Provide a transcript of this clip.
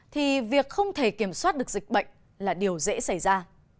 thì việc không thể kiểm soát được dịch bệnh là điều dễ xảy ra